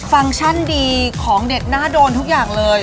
ฟังก์ชั่นดีของเด็ดน่าโดนทุกอย่างเลย